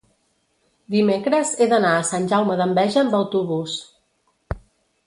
dimecres he d'anar a Sant Jaume d'Enveja amb autobús.